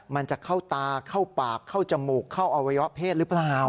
มันจะเข้าตาเข้าปากเข้าจมูกเข้าอวัยวะเพศหรือเปล่า